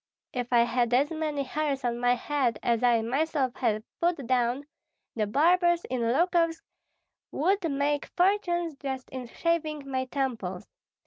If I had as many hairs on my head as I myself have put down, the barbers in Lukovsk would make fortunes just in shaving my temples.